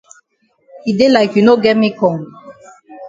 E dey like you no get me kong